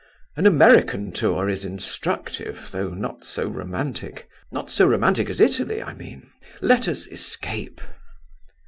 An American tour is instructive, though not so romantic. Not so romantic as Italy, I mean. Let us escape."